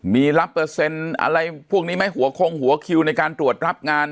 มีรับเปอร์เซ็นต์อะไรพวกนี้ไหมหัวคงหัวคิวในการตรวจรับงาน